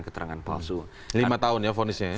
keterangan palsu lima tahun ya